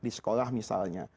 di sekolah misalnya